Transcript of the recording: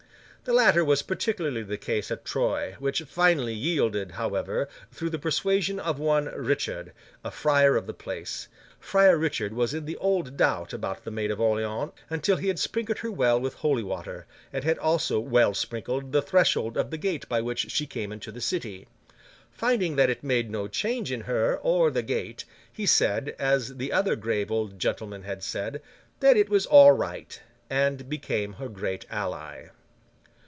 The latter was particularly the case at Troyes, which finally yielded, however, through the persuasion of one Richard, a friar of the place. Friar Richard was in the old doubt about the Maid of Orleans, until he had sprinkled her well with holy water, and had also well sprinkled the threshold of the gate by which she came into the city. Finding that it made no change in her or the gate, he said, as the other grave old gentlemen had said, that it was all right, and became her great ally.